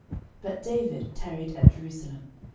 But David tarried at Jerusalem.